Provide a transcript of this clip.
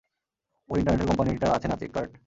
ঐ ইন্টারনেটের কোম্পানিটা আছে না, চেককার্ট?